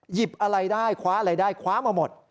หยิบอะไรได้คว้าอะไรได้คว้ามาหมด